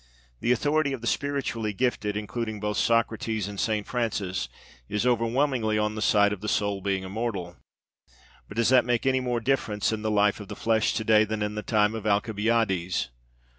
The authority of the spiritually gifted including both Socrates and St. Francis is overwhelmingly on the side of the soul being immortal. But does that make any more difference in the life of the flesh to day than in the time of Alcibiades?